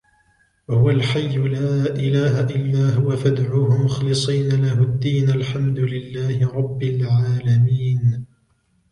هو الحي لا إله إلا هو فادعوه مخلصين له الدين الحمد لله رب العالمين